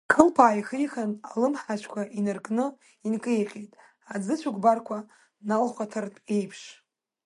Ихылԥа ааихихын, алымҳацәқәа инрынкны инкеиҟьеит, аӡыцәыкәбарқәа налхәаҭартә еиԥш.